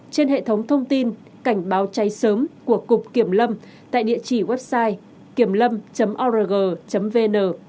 trên hệ thống thông tin cảnh báo cháy sớm của cục kiểm lâm tại địa chỉ website kiểm lâm org vn